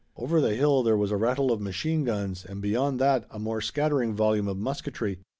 Over the hill there was a rattle of machine guns and beyond that a more scattering volume of musketry.